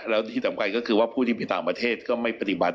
แล้วที่สำคัญก็คือว่าผู้ที่มีต่างประเทศก็ไม่ปฏิบัติ